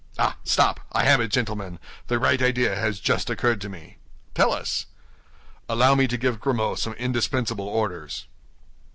Ah, stop! I have it, gentlemen; the right idea has just occurred to me." "Tell us." "Allow me to give Grimaud some indispensable orders."